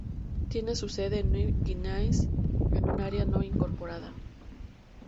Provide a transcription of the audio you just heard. Tiene su sede en New Caney, en un área no incorporada.